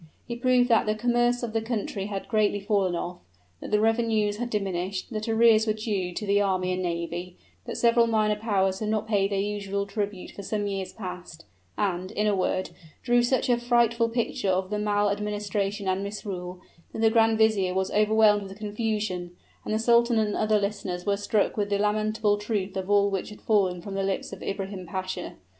He proved that the commerce of the country had greatly fallen off that the revenues had diminished that arrears were due to the army and navy that several minor powers had not paid their usual tribute for some years past and, in a word, drew such a frightful picture of the maladministration and misrule, that the grand vizier was overwhelmed with confusion, and the sultan and other listeners were struck with the lamentable truth of all which had fallen from the lips of Ibrahim Pasha.